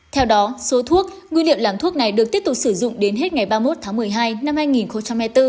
theo đó số thuốc nguyên liệu làm thuốc này được tiếp tục sử dụng đến hết ngày ba mươi một tháng một mươi hai năm hai nghìn hai mươi bốn